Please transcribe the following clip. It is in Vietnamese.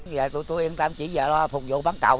giờ tụi tôi yên tâm chỉ vào phục vụ bán cầu